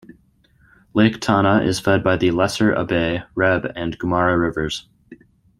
Lake Tana is fed by the Lesser Abay, Reb and Gumara rivers.